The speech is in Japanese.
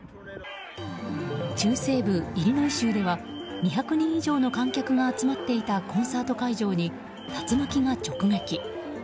中西部イリノイ州では２００人以上の観客が集まっていたコンサート会場に竜巻が直撃。